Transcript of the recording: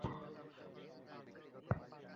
উহা একটি অমিশ্র বস্তু নয়।